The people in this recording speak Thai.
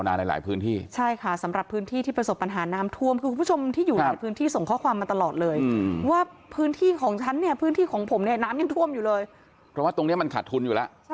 วิธีเกี่ยวเขาเมืองวิธีเกี่ยวเขาเขา